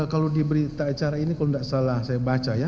kalau di berita acara ini kalau tidak salah saya baca ya